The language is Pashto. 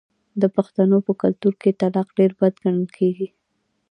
د پښتنو په کلتور کې طلاق ډیر بد ګڼل کیږي.